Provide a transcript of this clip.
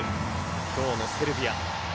今日のセルビア。